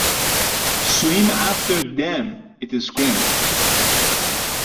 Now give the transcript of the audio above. ‘Swim after them!’ it screamed.